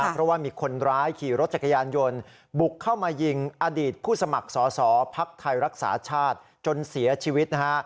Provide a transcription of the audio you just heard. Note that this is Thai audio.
เพราะว่ามีคนร้ายขี่รถจักรยานยนต์บุกเข้ามายิงอดีตผู้สมัครสอสอภักดิ์ไทยรักษาชาติจนเสียชีวิตนะฮะ